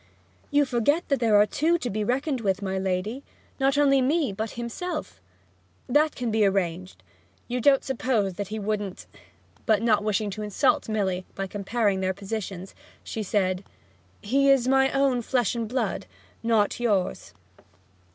'You forget that there are two to be reckoned with, my lady. Not only me, but himself.' 'That can be arranged. You don't suppose that he wouldn't ' But not wishing to insult Milly by comparing their positions, she said, 'He is my own flesh and blood, not yours.'